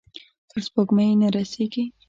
تر سپوږمۍ نه رسیږې